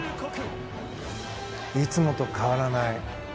いつもと変わらない。